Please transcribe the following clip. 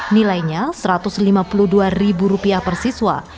nilainya rp satu ratus lima puluh dua persiswa